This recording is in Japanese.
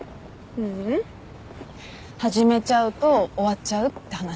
ううん。始めちゃうと終わっちゃうって話。